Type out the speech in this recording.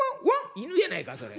「犬やないかそれ！